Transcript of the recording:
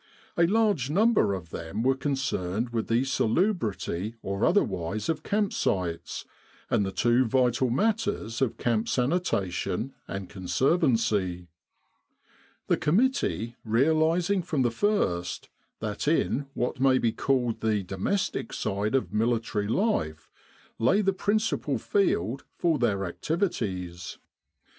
A large number of them were concerned with the salubrity or otherwise of camp sites, and the two vital matters of camp sanitation and conservancy; the committee realising from the first that in what may be called the domestic side of military life lay the principal field for their activities.